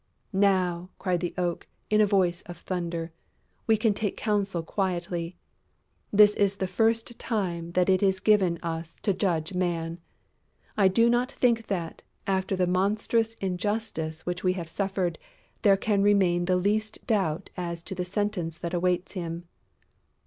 "Now," cried the Oak, in a voice of thunder, "we can take counsel quietly.... This is the first time that it is given us to judge Man! I do not think that, after the monstrous injustice which we have suffered, there can remain the least doubt as to the sentence that awaits him...."